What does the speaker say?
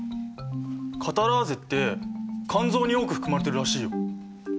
カタラーゼって肝臓に多く含まれてるらしいよ。